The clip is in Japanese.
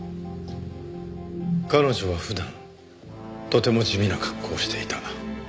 彼女は普段とても地味な格好をしていた。